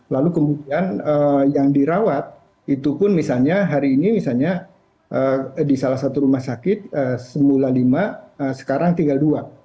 lalu kemudian yang dirawat itu pun misalnya hari ini misalnya di salah satu rumah sakit semula lima sekarang tinggal dua